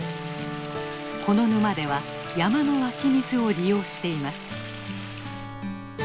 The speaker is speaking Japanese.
この沼では山の湧き水を利用しています。